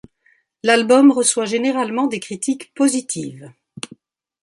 L’album reçoit généralement des critiques positives.